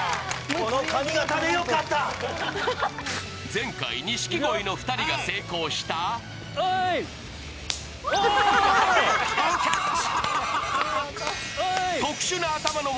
前回、錦鯉の２人が成功したハゲピタキャッチ。